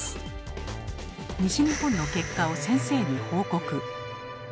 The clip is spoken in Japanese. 西日本の結果を先生に報告。